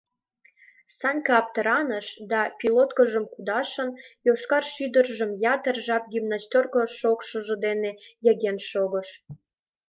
Санька аптыраныш да, пилоткыжым кудашын, йошкар шӱдыржым ятыр жап гимнастерко шокшыжо дене йыген шогыш.